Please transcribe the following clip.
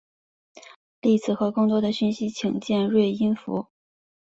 例子和更多的讯息请见锐音符。